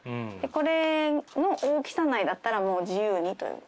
これの大きさ内だったらもう自由にということに。